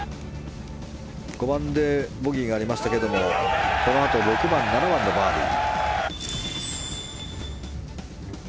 ５番でボギーがありましたがこのあと６番、７番でバーディー。